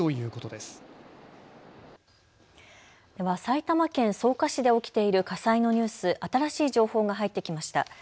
では埼玉県草加市で起きている火災のニュース、新しい情報が入ってきました。